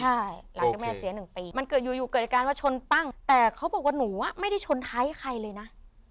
ใช่หลังจากแม่เสียหนึ่งปีมันเกิดอยู่อยู่เกิดอาการว่าชนปั้งแต่เขาบอกว่าหนูอ่ะไม่ได้ชนท้ายใครเลยนะ